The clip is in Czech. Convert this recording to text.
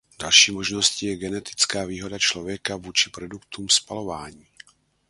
Další možností je genetická výhoda člověka vůči produktům spalování.